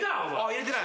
入れてない。